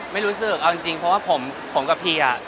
ไม่รู้สึกเอาจริงเพราะว่าผมกับพี่อะ